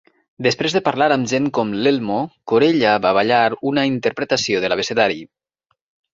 Després de parlar amb gent com l'Elmo, Corella va ballar una interpretació de l'abecedari.